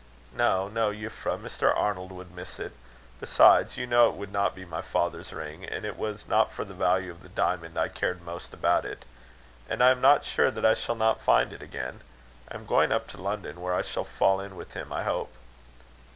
"No, no, Euphra; Mr. Arnold would miss it. Besides, you know it would not be my father's ring, and it was not for the value of the diamond I cared most about it. And I am not sure that I shall not find it again. I am going up to London, where I shall fall in with him, I hope."